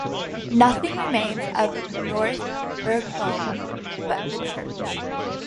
Nothing remains of North Burcombe but the church.